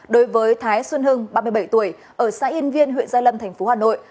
đối với thái xuân hưng ba mươi bảy tuổi ở xã yên viên huyện giai lâm tp hà nội